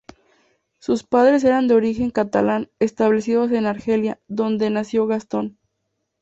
Sus padres eran de origen catalán, establecidos en Argelia, donde nació Gaston.